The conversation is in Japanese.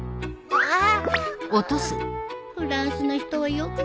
あっ。